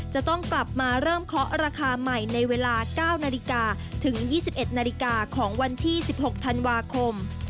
จะต้องกลับมาเริ่มเคาะราคาใหม่ในเวลา๙นาฬิกาถึง๒๑นาฬิกาของวันที่๑๖ธันวาคม